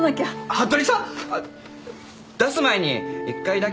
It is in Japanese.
服部さん！？あっ出す前に一回だけ。